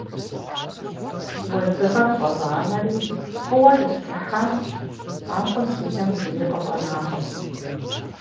Уэздыгъэр щӏэзгъанэри, фӏыуэ зысплъыхьащ, ауэ си нэм зыри къыфӏэнакъым.